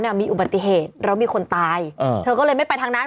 มีอุบัติเหตุแล้วมีคนตายเออเธอก็เลยไม่ไปทางนั้น